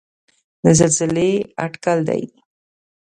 د زلزلې اټکل دی.